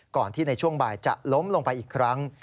ก่อนที่ในช่วงบ่ายจะล้มลงไปอีกครั้ง